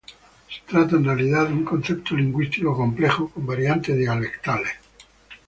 Se trata en realidad un concepto lingüístico complejo, con variantes dialectales.